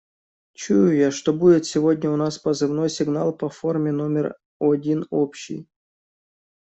Чую я, что будет сегодня у нас позывной сигнал по форме номер один общий.